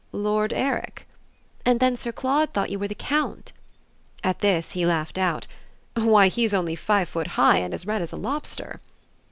"Lord Eric?" "And then Sir Claude thought you were the Count." At this he laughed out. "Why he's only five foot high and as red as a lobster!"